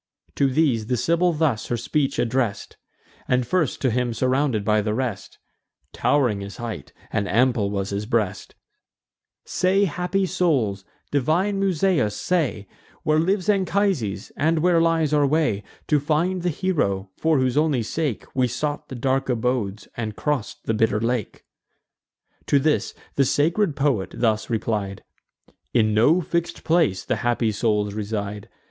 To these the Sibyl thus her speech address'd, And first to him surrounded by the rest Tow'ring his height, and ample was his breast; "Say, happy souls, divine Musaeus, say, Where lives Anchises, and where lies our way To find the hero, for whose only sake We sought the dark abodes, and cross'd the bitter lake?" To this the sacred poet thus replied: "In no fix'd place the happy souls reside.